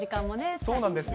そうなんですよ。